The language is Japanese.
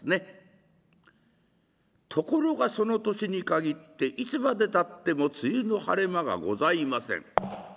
ところがその年に限っていつまでたっても梅雨の晴れ間がございません。